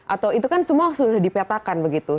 atau itu kan semua sudah dipetakan begitu